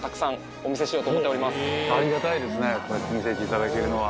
こうやって見せていただけるのは。